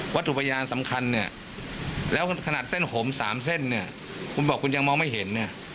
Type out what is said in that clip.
ถูกพยานสำคัญเนี่ยแล้วขนาดเส้นผม๓เส้นเนี่ยคุณบอกคุณยังมองไม่เห็นเนี่ย